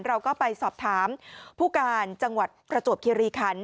เราก็ไปสอบถามผู้การจังหวัดประจวบคิริคัน